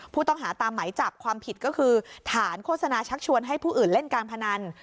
ผู้ต้องหาตามไหมจับความผิดก็คือฐานโฆษณาชักชวนให้ผู้อื่นเล่นการพนัน